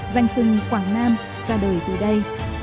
danh sừng quảng nam ra đời từ đây